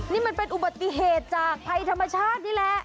นี่มันเป็นอุบัติเหตุจากภัยธรรมชาตินี่แหละ